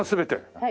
はい。